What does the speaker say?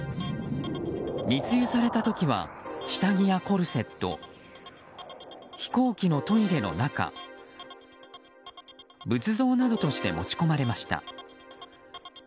密輸された時は下着やコルセット飛行機のトイレの中仏像などとして持ち込まれました。